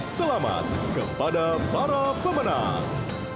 selamat kepada para pemenang